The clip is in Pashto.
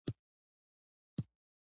پښتونولي زموږ کلتور دی